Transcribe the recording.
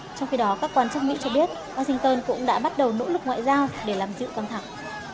trong khi đó các quan chức mỹ cho biết washington cũng đã bắt đầu nỗ lực ngoại giao để làm dịu căng thẳng